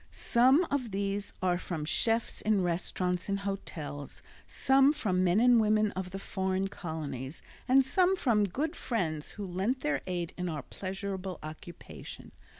Some of these are from chefs in restaurants and hotels, some from men and women of the foreign colonies and some from good friends who lent their aid in our pleasurable occupation.